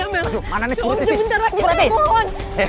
om sebentar aja saya mohon